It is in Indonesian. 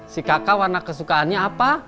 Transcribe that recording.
si kakak warna kesukaannya apa